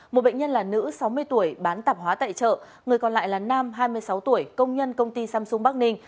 một bệnh nhân là nữ sáu mươi tuổi bán tạp hóa tại chợ người còn lại là nam hai mươi sáu tuổi công nhân công ty samsung bắc ninh